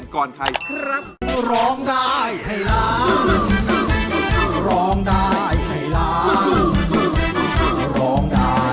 ก็จะร้องได้ให้ล้าง